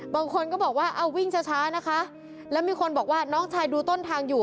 บางคนก็บอกว่าเอาวิ่งช้านะคะแล้วมีคนบอกว่าน้องชายดูต้นทางอยู่